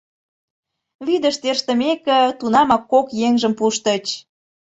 Вӱдыш тӧрштымеке, тунамак кок еҥжым пуштыч.